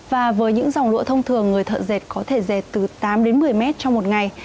và với những dòng lụa thông thường người thợ dệt có thể dệt từ tám đến một mươi mét trong một ngày